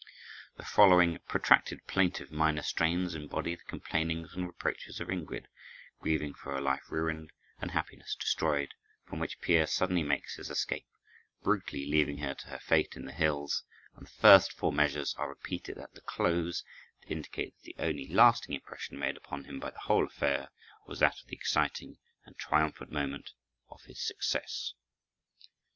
The following protracted plaintive minor strains embody the complainings and reproaches of Ingrid, grieving for a life ruined and happiness destroyed, from which Peer suddenly makes his escape, brutally leaving her to her fate in the hills; and the first four measures are repeated at the close, to indicate that the only lasting impression made upon him by the whole affair was that of the exciting and triumphant moment of his success.